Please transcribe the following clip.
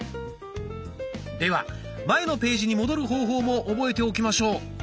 では前のページに戻る方法も覚えておきましょう。